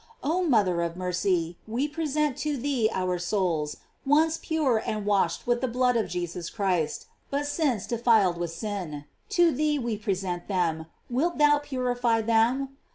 Oh, mother of mercy, we present to thee our souls once pure and washed with the blood of Jesus Christ, but since defiled with sin. To thee we present them, wilt thou purify them?